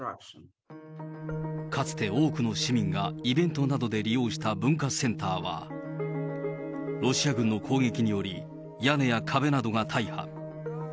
かつて多くの市民がイベントなどで利用した文化センターは、ロシア軍の攻撃により、屋根や壁などが大破。